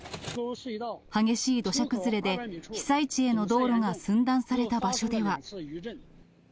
激しい土砂崩れで、被災地への道路が寸断された場所では。